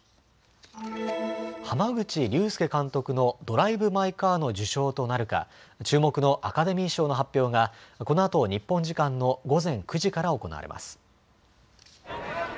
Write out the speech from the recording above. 濱口竜介監督のドライブ・マイ・カーの受賞となるか、注目のアカデミー賞の発表がこのあと日本時間の午前９時から行われます。